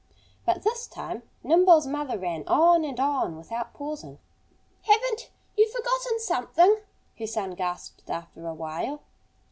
But this time Nimble's mother ran on and on without pausing. "Haven't you forgotten something?" her son gasped after a while.